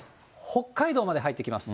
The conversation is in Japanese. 北海道まで入ってきます。